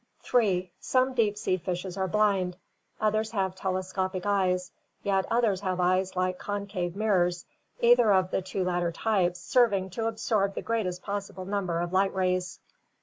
3. Some deep sea fishes are blind, others have telescopic eyes, yet others have eyes like concave mirrors, either of the two latter types serving to absorb the greatest possible number of light rays.